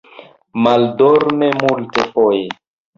Maldorme, multfoje.